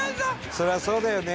そりゃそうだよね。